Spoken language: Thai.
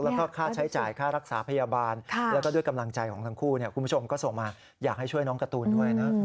แล้วก็ค่าใช้จ่ายค่ารักษาพยาบาลแล้วก็ด้วยกำลังใจของทั้งคู่คุณผู้ชมก็ส่งมาอยากให้ช่วยน้องการ์ตูนด้วยนะ